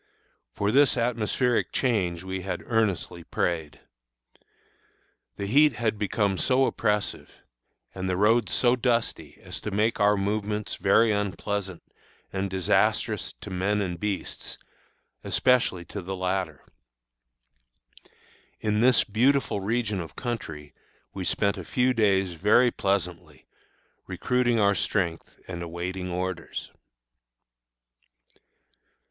For this atmospheric change we had earnestly prayed. The heat had become so oppressive, and the roads so dusty, as to make our movements very unpleasant and disastrous to men and beasts, especially to the latter. In this beautiful region of country we spent a few days very pleasantly, recruiting our strength and awaiting orders.